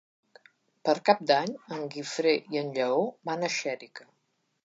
Per Cap d'Any en Guifré i en Lleó van a Xèrica.